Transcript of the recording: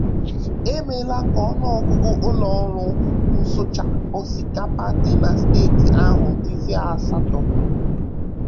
emeela ka ọnụ ọgụgụ ụlọ ọrụ nsucha osikapa dị na steeti ahụ dịzie asatọ